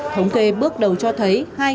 thống kê bước đầu cho thấy